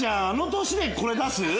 あの年でこれ出す？